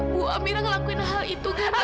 bu amira ngelakuin hal itu kan